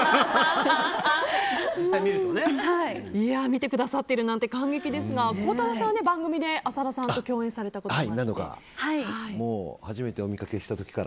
見てくださっているなんて感激ですが孝太郎さんは番組で浅田さんと共演されたことがあって。